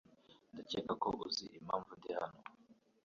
Ndakeka ko uzi impamvu ndi hano .